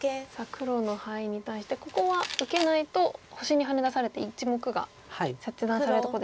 黒のハイに対してここは受けないと星にハネ出されて１目が切断されるところでしたよね。